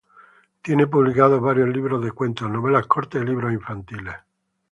Tiene publicados varios libros de cuentos, novelas cortas y libros infantiles.